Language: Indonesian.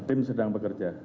tim sedang bekerja